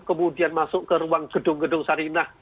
kemudian masuk ke ruang gedung gedung sarinah